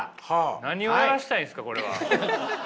何をやらしたいんですかこれは。